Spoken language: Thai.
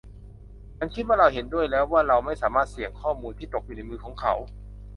ฉันคิดว่าเราเห็นด้วยแล้วว่าเราไม่สามารถเสี่ยงข้อมูลที่ตกอยู่ในมือของเขา